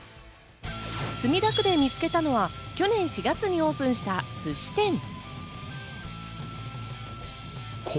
墨田区で見つけたのは去年４月にオープンしたすし店。